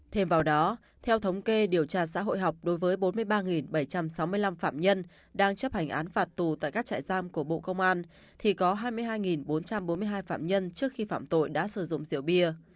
thêm vào đó theo thống kê điều tra xã hội học đối với bốn mươi ba bảy trăm sáu mươi năm phạm nhân đang chấp hành án phạt tù tại các trại giam của bộ công an thì có hai mươi hai bốn trăm bốn mươi hai phạm nhân trước khi phạm tội đã sử dụng rượu bia